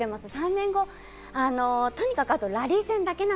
３年後、とにかくあとはラリー戦だけ。